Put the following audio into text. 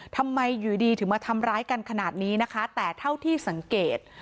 ทำไมอยู่ดีถึงมาทำร้ายกันขนาดนี้นะคะแต่เท่าที่สังเกต